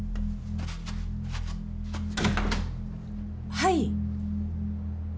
・はい。